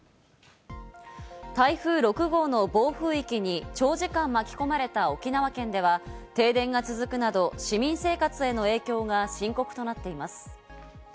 台風６号の暴風域に長時間巻き込まれた沖縄県では、停電が続くなど、市民生活への影響が深刻となっています。